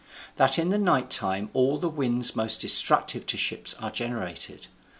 That in the night time all the winds most destructive to ships are generated.